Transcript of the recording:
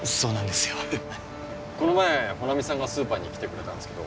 この前帆奈美さんがスーパーに来てくれたんですけど